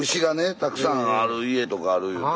たくさんある家とかあるいうて。